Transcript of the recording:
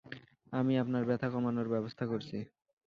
আমি আপনার ব্যাথা কমানোর ব্যবস্থা করছি!